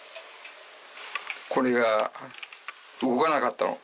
これが動かなかったの。